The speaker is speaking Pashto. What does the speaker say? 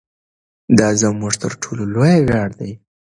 دا زموږ تر ټولو لوی ویاړ دی.